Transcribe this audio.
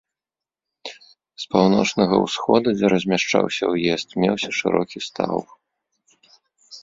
З паўночнага-ўсходу, дзе размяшчаўся ўезд, меўся шырокі стаў.